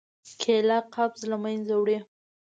کېله قبض له منځه وړي.